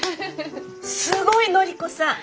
すごい紀子さん！